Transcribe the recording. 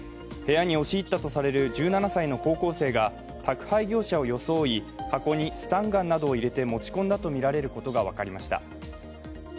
部屋に押し入ったとされる１７歳の高校生が宅配業者を装い、箱にスタンガンなどを入れて持ち込んだとみられることが分かりました。